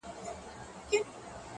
که دښمن لرې په ښار کي راته وایه؛